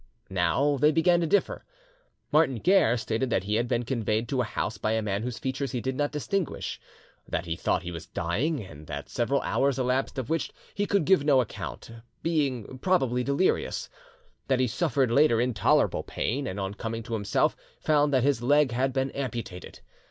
Now, they began to differ. Martin Guerre stated that he had been conveyed to a house by a man whose features he did not distinguish, that he thought he was dying, and that several hours elapsed of which he could give no account, being probably delirious; that he suffered later intolerable pain, and on coming to himself, found that his leg had been amputated.